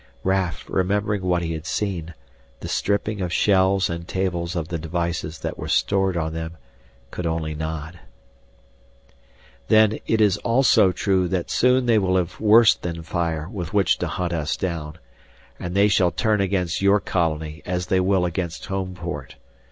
Raf, remembering what he had seen the stripping of shelves and tables of the devices that were stored on them could only nod. "Then it is also true that soon they will have worse than fire with which to hunt us down. And they shall turn against your colony as they will against Homeport.